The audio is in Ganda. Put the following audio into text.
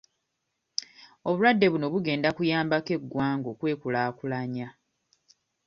Obulwadde buno bugenda kuyambako eggwanga okwekulaakulanya.